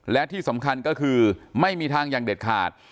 และที่สำคัญก็คือไม่มีทางอย่างเด็ดขาด